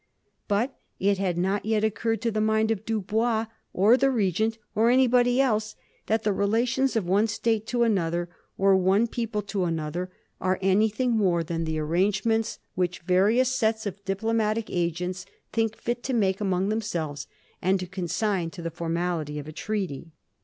But it had not yet occurred to the mind of Dubois, or the Regent, or anybody else, that the relations of one State to another, or one people to another, are anything more than the arrangements Digiti zed by Google 1717. MINISTERIAL CRISIS. 215 which variouB sets of diplomatic agents think fit to make among themselyes and to consign to the formality of a treaty.